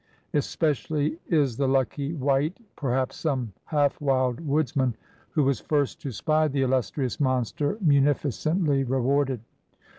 Especially is the lucky wight — perhaps some half wild woodsman — who was first to spy the Ulustrious monster munificently rewarded.